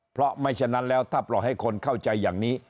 เพราะไม่ฉะนั้นแล้วถ้าปล่อยให้คนเข้าใจอย่างนี้